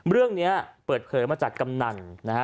เรื่องนี้เปิดเผยมาจากกำนันนะฮะ